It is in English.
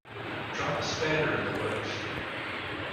Drop a spanner in the works